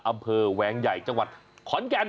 อำเภอแวงใหญ่จังหวัดขอนแก่น